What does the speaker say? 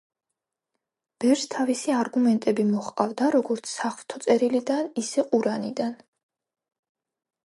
ბერს თავისი არგუმენტები მოჰყავდა როგორც საღვთო წერილიდან, ისე ყურანიდან.